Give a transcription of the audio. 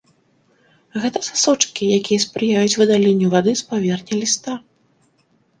Гэта сасочкі, якія спрыяюць выдаленню вады з паверхні ліста.